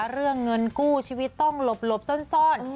เรื่องเงินกู้ชีวิตต้องหลบซ่อน